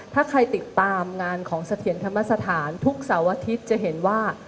ถ้าใครติดตามงานของเสถียรธรรมสถานทุกเสาร์อาทิตย์จะเห็นว่า